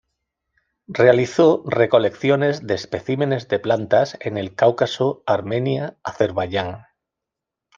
Realizó recolecciones de especímenes de plantas en el Cáucaso, Armenia, Azerbaiyán.